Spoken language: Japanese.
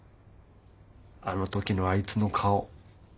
あのときのあいつの顔。